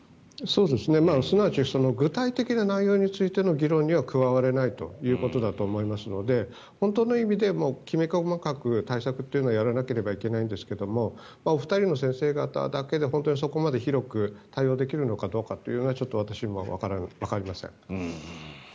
すなわち具体的な内容についての議論には加われないということだと思いますので本当の意味できめ細かく対策をやらなければいけないんですがお二人の先生方だけで本当にそこまで広く対応できるのかどうかはちょっと私もわかりません。